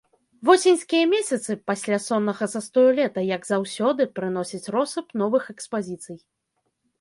Восеньскія месяцы, пасля соннага застою лета, як заўсёды, прыносяць россып новых экспазіцый.